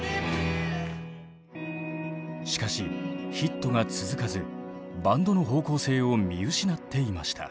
しかしヒットが続かずバンドの方向性を見失っていました。